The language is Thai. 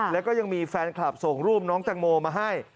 แล้วก็ยังมีแฟนคลับส่งรูปน้องแตงโมมาให้